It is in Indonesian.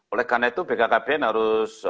oleh karena itu bkkbn harus